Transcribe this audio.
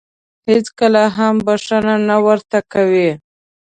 هېڅکله هم بښنه نه ورته کوي .